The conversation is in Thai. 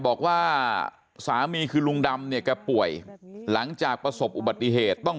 บอกว่าสามีคือลุงดำเนี่ยแกป่วยหลังจากประสบอุบัติเหตุต้อง